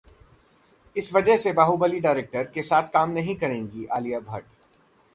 इस वजह से बाहुबली डायरेक्टर के साथ काम नहीं करेंगी आलिया भट्ट